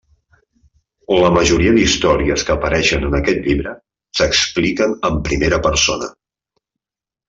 La majoria d'històries que apareixen en aquest llibre s'expliquen en primera persona.